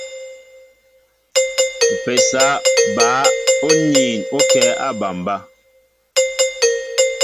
Mpésa ɓă oniin o kɛ a aɓambá.